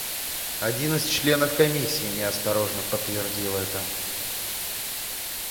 Один из членов комиссии неосторожно подтвердил это.